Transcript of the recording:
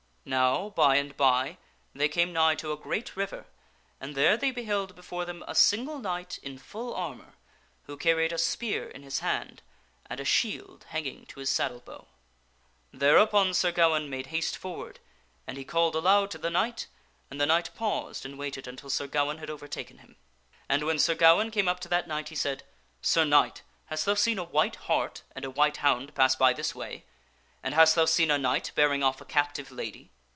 Now, by and by they came nigh to a great river, and there they beheld before them a single knight in full. armor, who carried a spear in his hand and a shield hanging to his saddle bow. Thereupon Sir Gawaine 286 THE STORY OF SIR GAWAINE made haste forward and he called aloud to the knight, and the knight paused and waited until Sir Gawaine had overtaken him. And when Sir Gawaine came up to that knight he said, " Sir Knight, meet a knight hast thou seen a white hart and a white hound pass by this way ? And hast thou seen a knight bearing off a captive lady